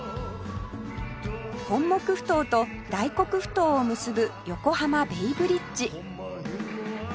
本牧ふ頭と大黒ふ頭を結ぶ横浜ベイブリッジ